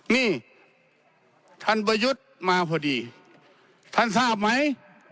นี่ท่านประยุทธ์มาพอดีท่านทราบไหม